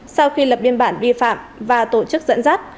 sau khi lập biên bản vi phạm và tổ chức dẫn dắt